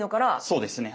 そうですね。